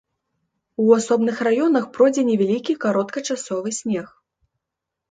У асобных раёнах пройдзе невялікі кароткачасовы снег.